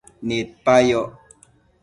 Nidquipa yoc